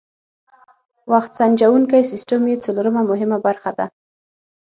وخت سنجوونکی سیسټم یې څلورمه مهمه برخه ده.